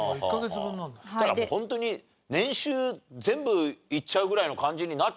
だからもうホントに年収全部いっちゃうぐらいの感じになっちゃうね